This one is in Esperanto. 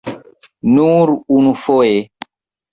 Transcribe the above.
Nur unufoje.